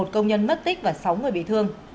một công nhân mất tích và sáu người bị thương